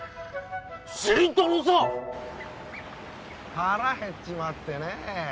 腹減っちまってねえ